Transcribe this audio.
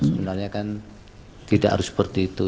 sebenarnya kan tidak harus seperti itu